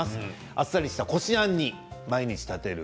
あっさりした、こしあんに毎日立てる